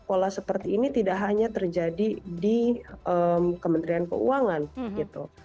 pola seperti ini tidak hanya terjadi di kementerian keuangan gitu